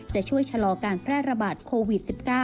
จะช่วยชะลอการแพร่ระบาดโควิด๑๙